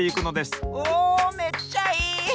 おめっちゃいい！